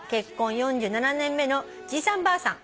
４７年目のじいさんばあさん」